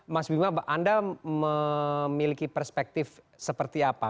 mas bima anda memiliki perspektif seperti apa